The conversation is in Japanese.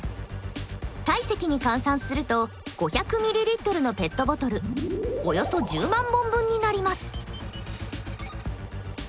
体積に換算すると５００ｍｌのペットボトルおよそ１０万本分になります。